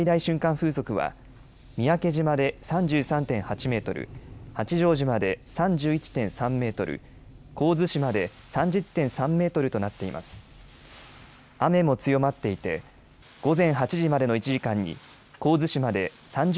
風速は三宅島で３３．８メートル、八丈島で３１．３メートル、神津島で３０．３メートルとなっています。